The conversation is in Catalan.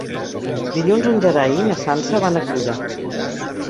Dilluns en Gerai i na Sança van a Culla.